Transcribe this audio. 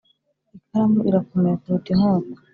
ikaramu irakomeye kuruta inkota -